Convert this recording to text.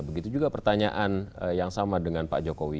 begitu juga pertanyaan yang sama dengan pak jokowi